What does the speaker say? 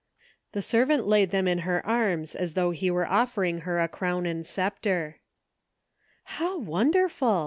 The servant laid them in her arms as though he were offer ing her a crown and sceptre. " How wonderful